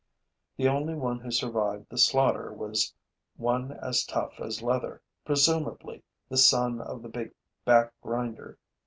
The only one who survived the slaughter was one as tough as leather, presumably the son of the big back grinder.